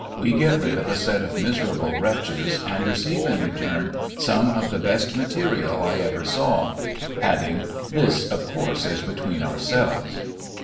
We .get rid of a set of miserable wretches, and receive in return some of the best material I ever saw;" adding, " This, of course, is between ourselves."